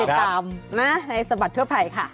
ก็ติดตามนะในสบัตรทั่วไทยค่ะ